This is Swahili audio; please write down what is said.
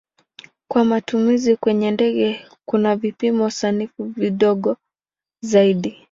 Kwa matumizi kwenye ndege kuna vipimo sanifu vidogo zaidi.